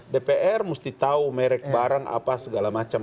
dpr mesti tahu merek barang apa segala macam